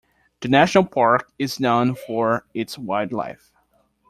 The national park is known for its wildlife.